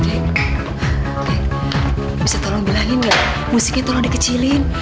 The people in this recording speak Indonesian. dek bisa tolong bilangin gak musiknya tolong dikecilin